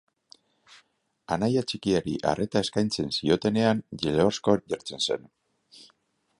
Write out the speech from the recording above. Anaia txikiari arreta eskaintzen ziotenean jeloskor jartzen zen.